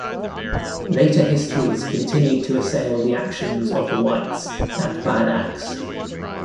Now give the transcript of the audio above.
Later histories continued to assail the actions of the whites at Bad Axe.